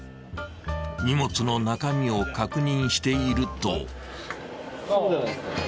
［荷物の中身を確認していると］